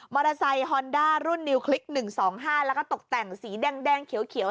มอเตอร์ไซฮอนดารุ่นนิวคลิกหนึ่งสองห้าแล้วก็ตกแต่งสีแดงแดงเขียวเขียว